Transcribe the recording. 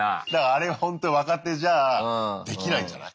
あれほんと若手じゃあできないんじゃない？